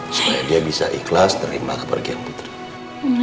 supaya dia bisa ikhlas terima kepergian putrinya